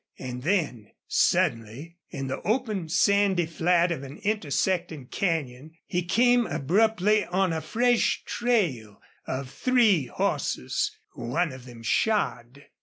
And then, suddenly, in the open, sandy flat of an intersecting canyon he came abruptly on a fresh trail of three horses, one of them shod.